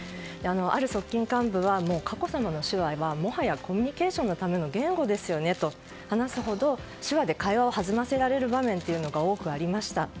ある側近幹部は佳子さまの手話はもはやコミュニケーションのための言語ですよねと話すほど手話で会話を弾ませる場面が多くありました。